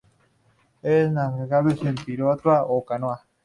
Es navegables en piragua o canoa.